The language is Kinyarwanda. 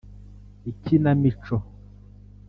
Ikinamico